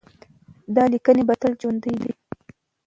دا لیکنې به تل ژوندۍ وي.